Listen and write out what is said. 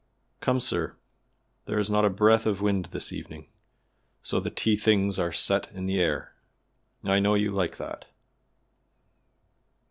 "Come, sir, there is not a breath of wind this evening, so the tea things are set in the air. I know you like that."